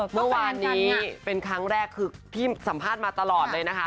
เมื่อวานนี้เป็นครั้งแรกคือพี่สัมภาษณ์มาตลอดเลยนะคะ